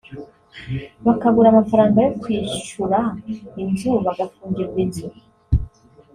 bakabura amafaranga yo kwishura inzu bagafungirwa inzu